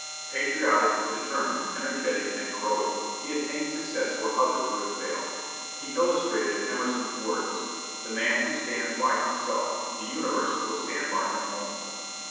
Patriotic, determined, energetic, and heroic, he attained success where others would have failed. He illustrated Emerson's words, "The man who stands by himself, the universe will stand by him also."